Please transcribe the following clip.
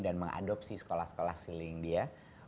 dan mengadopsi sekolah sekolah seiring dia